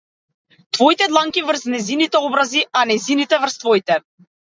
Твоите дланки врз нејзините образи, а нејзините врз твоите.